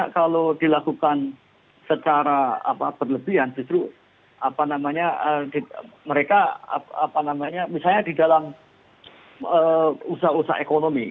kalau dilakukan secara berlebihan justru mereka misalnya di dalam usaha usaha ekonomi